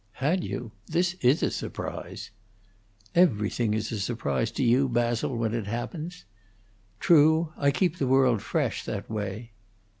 "Had you? This is a surprise." "Everything is a surprise to you, Basil, when it happens." "True; I keep the world fresh, that way."